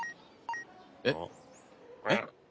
えっえっ？